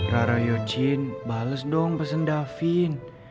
rara yojin bales dong pesen davin